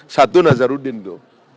satu nazaruddin tuh